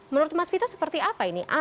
menurut mas vito seperti apa ini